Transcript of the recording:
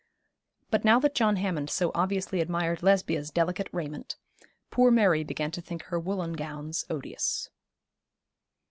But now that John Hammond so obviously admired Lesbia's delicate raiment, poor Mary began to think her woollen gowns odious.